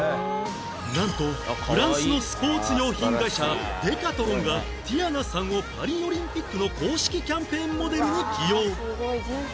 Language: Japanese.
なんとフランスのスポーツ用品会社デカトロンがティヤナさんをパリオリンピックの公式キャンペーンモデルに起用